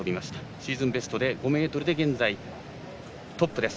シーズンベストで５ｍで現在トップ。